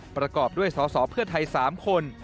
ประกอบด้วยสอสอเพื่อไทย๓คน